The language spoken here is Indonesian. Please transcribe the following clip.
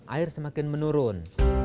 air semakin menurun